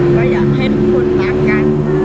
ก็อยากให้ทุกคนรักกัน